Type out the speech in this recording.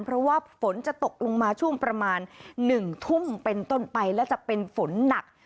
เพราะว่าฝนจะตกลงมาช่วงประมาณ๑ทุ่มเป็นต้นไปและจะเป็นฝนหนัก